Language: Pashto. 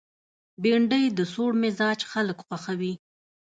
بېنډۍ د سوړ مزاج خلک خوښوي